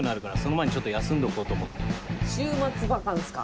週末バカンスか。